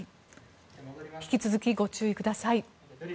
引き続きご注意ください。